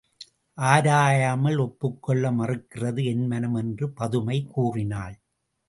ஆராயாமல் ஒப்புக்கொள்ள மறுக்கிறது என்மனம் என்று பதுமை கூறினாள்.